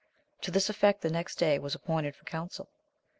To this effect the next day was appointed for council.